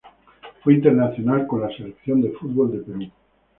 Fue internacional con la selección de fútbol de Perú.